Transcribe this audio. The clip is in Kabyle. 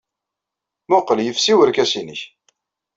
Mmuqqel, yefsi werkas-nnek.